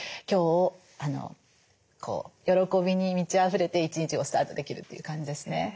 今日喜びに満ちあふれて一日をスタートできるという感じですね。